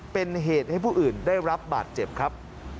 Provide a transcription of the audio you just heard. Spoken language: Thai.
เป็นเหตุให้ผู้อื่นได้รับบาดเจ็บครับ